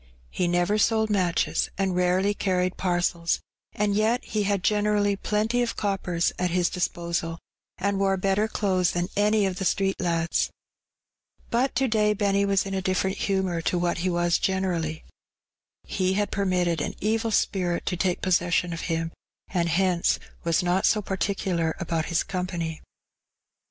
He never sold matches, and rarely carried parcels, and yet he had generally plenty of coppers at his disposal, and wore better clothes than any of the street lads. But to day Benny was in a different humour to what he was generally. He had permitted an evil spirit to take possession of him, and hence was not so particular about his company.